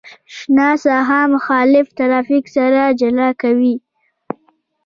شنه ساحه مخالف ترافیک سره جلا کوي